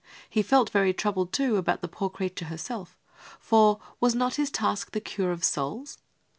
He felt very troubled, too, about the poor creature, herself, for was not his task the cure of souls?